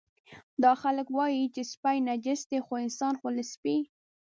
دا خلک وایي چې سپي نجس دي، خو انسان خو له سپي.